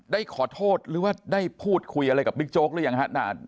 ได้ขอโทษหรือว่าได้พูดคุยอะไรกับบิ๊กโจ๊กหรือยังฮะนาน